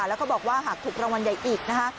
แล้วก็บอกว่าหากถูกรางวัลใหญ่อีกนะคะ